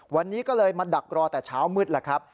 วันนี้ก็เลยมาดักรอแต่เช้ามืดแล้วครับ